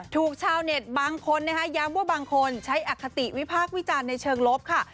ถูกชาวเน็ตบางคนนะคะย้ำว่าบางคนใช้อคติวิพากษ์วิจารณ์ในเชิงลบค่ะ